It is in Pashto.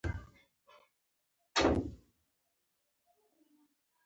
لغمان ولایت د افغانستان په ختیځ کې واقع دی.